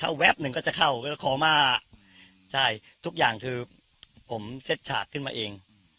แวบหนึ่งก็จะเข้าก็ขอมาใช่ทุกอย่างคือผมเซ็ตฉากขึ้นมาเอง